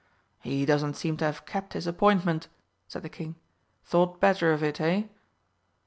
"He doesn't seem to have kept his appointment," said the King. "Thought better of it, hey?"